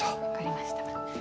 分かりました。